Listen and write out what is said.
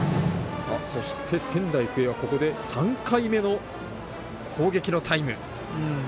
そして、仙台育英はここで３回目の攻撃のタイム。